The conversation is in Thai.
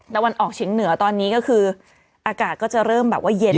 วันออกเฉียงเหนือตอนนี้ก็คืออากาศก็จะเริ่มแบบว่าเย็น